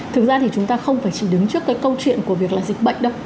thực ra thì chúng ta không phải chỉ đứng trước cái câu chuyện của việc là dịch bệnh đâu